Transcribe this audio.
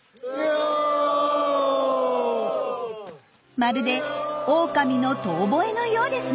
まるでオオカミの遠ぼえのようですね。